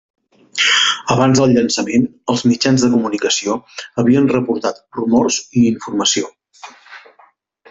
Abans del llançament, els mitjans de comunicació havien reportat rumors i informació.